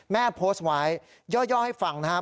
แม่โพสต์ไว้ย่อให้ฟังนะครับ